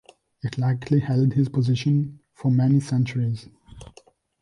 It likely held this position for many centuries.